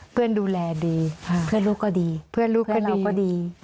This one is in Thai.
เพื่อนดูแลดีเพื่อนลูกก็ดีเพื่อนเราก็ดี